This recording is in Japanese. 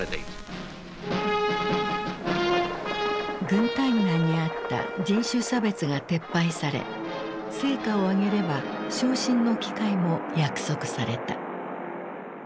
軍隊内にあった人種差別が撤廃され成果を上げれば昇進の機会も約束された。